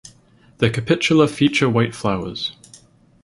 The capitula feature white flowers.